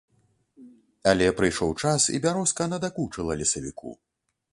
Але прыйшоў час, і бярозка надакучыла лесавіку.